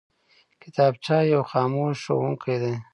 کتابچه یو خاموش ښوونکی دی